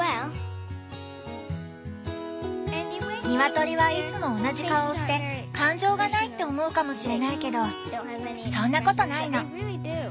ニワトリはいつも同じ顔をして感情がないって思うかもしれないけどそんなことないの。